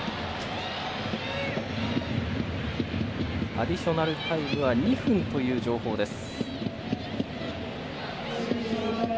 アディショナルタイムは２分という情報です。